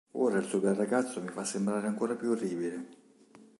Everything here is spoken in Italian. Ora il suo bel ragazzo mi fa sembrare ancora più orribile!